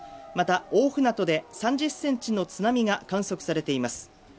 また、大船渡で３０センチの津波が観測されています。